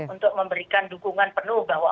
untuk memberikan dukungan penuh bahwa